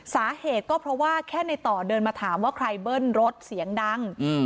สาเหตุก็เพราะว่าแค่ในต่อเดินมาถามว่าใครเบิ้ลรถเสียงดัง